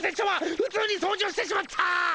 ふつうに掃除をしてしまった！